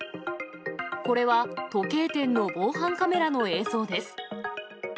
これは時計店の防犯カメラの映像です。